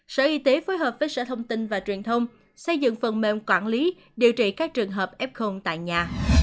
sở y tế phối hợp với sở thông tin và truyền thông xây dựng phần mềm quản lý điều trị các trường hợp f tại nhà